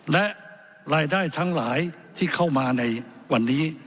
และรายได้ทั้งหลายที่เข้ามาในวันนี้